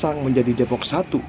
yang menjadi depok satu